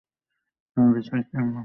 আমি বেঁচে থাকতে সম্ভব না।